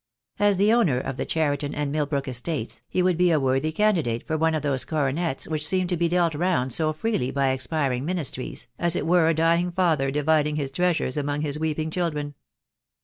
As the owner of the Cheriton and Milbrook estates, he would be a worthy candidate for one of those coronets which seem 102 THE DAY WILL COME. to be dealt round so freely by expiring Ministries, as it were a dying father dividing his treasures among his weeping children.